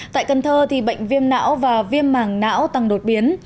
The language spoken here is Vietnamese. tại cần thơ bệnh viêm não và viêm mảng não tăng đột biến